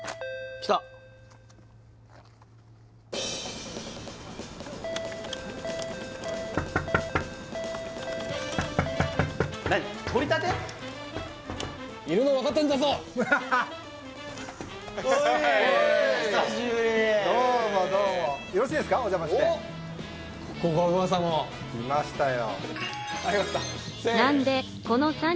来ましたよ